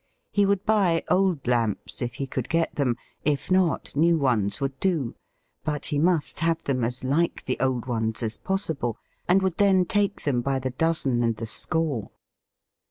He would buy old lamps if he could get them. If not, new ones would do ; but he must have them as like the old ones as possible, and would then take them by the dozen and the score.